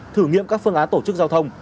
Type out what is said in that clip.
thử nghiệm các phương án tổ chức giao thông